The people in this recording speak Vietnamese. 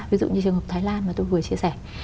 ví dụ như trường hợp thái lan mà tôi vừa chia sẻ